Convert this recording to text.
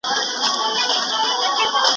اګوستین تاریخ ته په کوم نظر کتل؟